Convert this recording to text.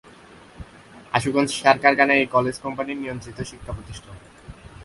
আশুগঞ্জ সার কারখানা কলেজ এই কোম্পানির নিয়ন্ত্রিত শিক্ষা প্রতিষ্ঠান।